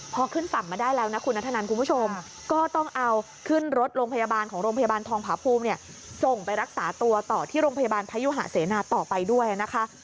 พอขึ้นฝั่งมาได้แล้วนะคุณนัทธนันคุณผู้ชมก็ต้องเอาขึ้นรถโรงพยาบาลของโรงพยาบาลทองผาภูมิเนี่ยส่งไปรักษาตัวต่อที่โรงพยาบาลพยุหาเสนาต่อไปด้วยนะคะ